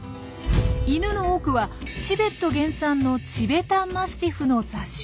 イヌの多くはチベット原産のチべタン・マスティフの雑種。